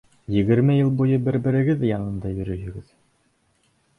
Егерме йыл буйы бер-берегеҙ янында йөрөйһөгөҙ.